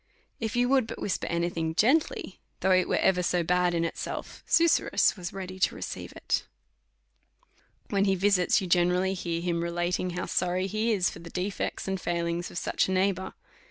If you would but whisper any thing gently, though it was ever so bad in itself, Su surrus was ready to receive it. When he visits, you generally hear him relating how sorry he is for the defects and failings of such a neighbour.